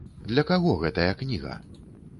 Для каго гэтая кніга?